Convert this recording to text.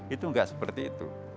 itu enggak seperti itu